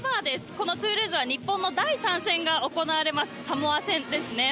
このトゥールーズは日本の第３戦が行われますサモア戦ですね。